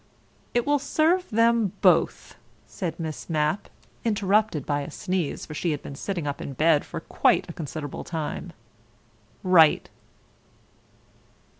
"It will serve them both," said Miss Mapp (interrupted by a sneeze, for she had been sitting up in bed for quite a considerable time), "right."